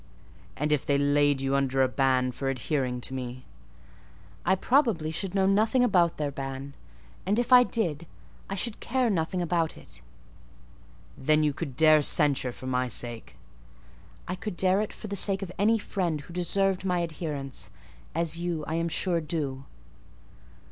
"And if they laid you under a ban for adhering to me?" "I, probably, should know nothing about their ban; and if I did, I should care nothing about it." "Then, you could dare censure for my sake?" "I could dare it for the sake of any friend who deserved my adherence; as you, I am sure, do."